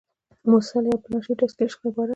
موسسه له یو پلان شوي تشکیل څخه عبارت ده.